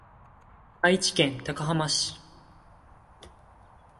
愛知県高浜市